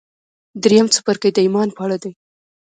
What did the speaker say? درېيم څپرکی د ايمان په اړه دی.